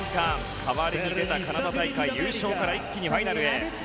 代わりに出たカナダ大会優勝から一気にファイナルへ。